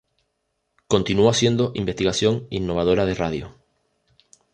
Continuó haciendo investigación innovadora de radio.